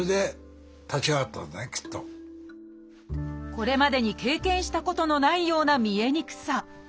これまでに経験したことのないような見えにくさ。